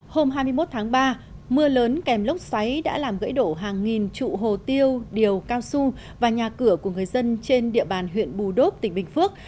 hôm hai mươi một tháng ba mưa lớn kèm lốc xoáy đã làm gãy đổ hàng nghìn trụ hồ tiêu điều cao su và nhà cửa của người dân trên địa bàn huyện bù đốp tỉnh bình phước